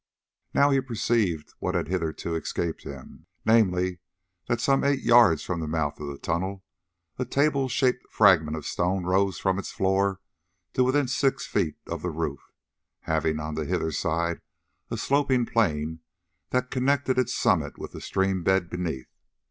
Now he perceived what had hitherto escaped him, namely, that some eight yards from the mouth of the tunnel a table shaped fragment of stone rose from its floor to within six feet of the roof, having on the hither side a sloping plane that connected its summit with the stream bed beneath.